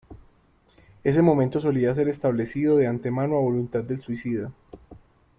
Ese momento solía ser establecido de antemano a voluntad del suicida.